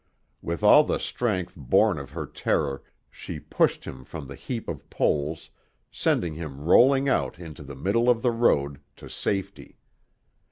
With all the strength borne of her terror she pushed him from the heap of poles, sending him rolling out into the middle of the road, to safety.